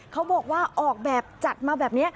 เขาบอกว่าออกแบบจัดมาแบบนี้